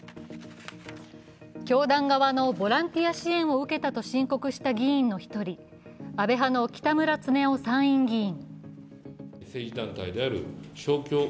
教団側のボランティア支援を受けたと申告した議員の１人、安倍派の北村経夫参院議員。